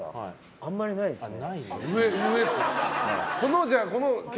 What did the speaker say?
あまりないですね。